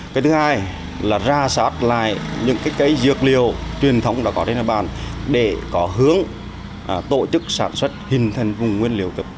cây thứ hai là ra sát lại những cây dược liều truyền thống đã có trên đất bàn để có hướng tổ chức sản xuất hình thành vùng nguyên liều